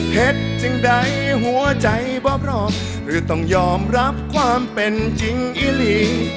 เห็นจึงใดหัวใจบอบรอบหรือต้องยอมรับความเป็นจริงอิหรี่